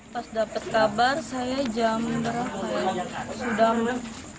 pas dapat kabar saya jam berapa ya sudah minggu